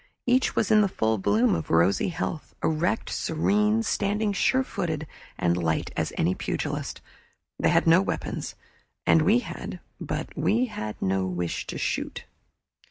Each was in the full bloom of rosy health, erect, serene, standing sure footed and light as any pugilist. They had no weapons, and we had, but we had no wish to shoot.